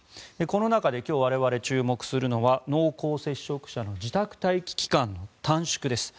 この中で今日、我々注目するのは濃厚接触者の自宅待機期間の短縮です。